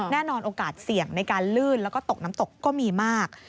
แน่นอนโอกาสเสี่ยงในการลื่นแล้วก็ตกน้ำตกก็มีมาก